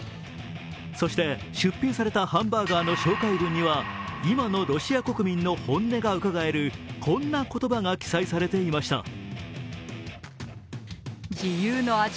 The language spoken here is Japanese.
そして、出品されたハンバーガーの紹介文には今のロシア国民の本音がうかがえるこんな言葉が記載されていました。